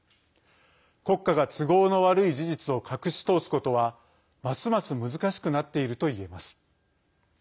国家が都合の悪い事実を隠し通すことはますます難しくなっているといえます。